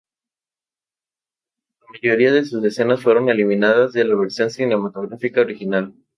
La mayoría de sus escenas fueron eliminadas de la versión cinematográfica original.